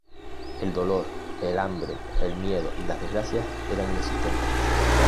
El dolor, el hambre, el miedo y las desgracias eran inexistentes.